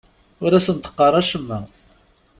Ur asent-qqar acemma.